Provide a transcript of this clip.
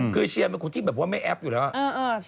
คือเชียร์เป็นคนที่แบบว่าไม่แอปอยู่แล้ว